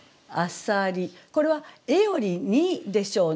これは「へ」より「に」でしょうね。